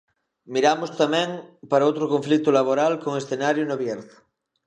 Miramos tamén para outro conflito laboral con escenario no Bierzo.